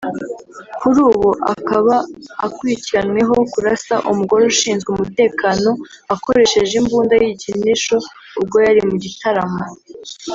Kuri ubu akaba akurikiranweho kurasa umugore ushinzwe umutekano akoresheje imbunda y'igikinisho ubwo yari mu gitaramo